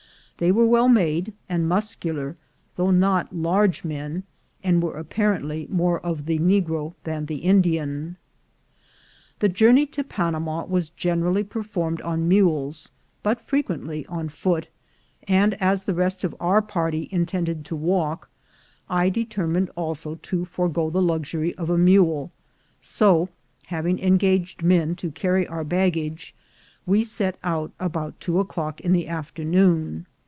They were well made, and muscular though not large men, and were apparently more of the Negro than the Indian. The journey to Panama was generally performed on mules, but frequently on foot; and as the rest of our party intended to walk, I determined also to forego the luxury of a mule; so, having engaged men to carry our baggage, we set out about two o'clock in the afternoon.